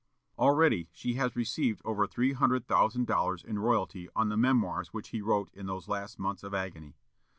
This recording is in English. Already she has received over three hundred thousand dollars in royalty on the memoirs which he wrote in those last months of agony.